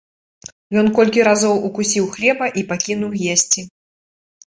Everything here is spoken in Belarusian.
Ён колькі разоў укусіў хлеба і пакінуў есці.